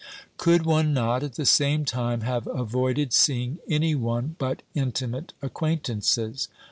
Could one not, at the same time, have avoided seeing any one but intimate acquaintances?